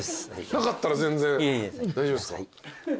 なかったら全然大丈夫ですか？